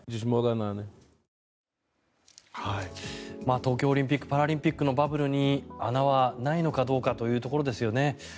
東京オリンピック・パラリンピックのバブルに穴はないのかどうかというところですよね。